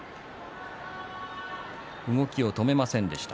動きを止めませんでした。